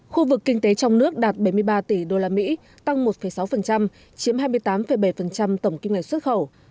khu vực kinh tế trong nước đạt bảy mươi ba tỷ usd tăng một sáu chiếm hai mươi tám bảy tổng kim ngạch xuất khẩu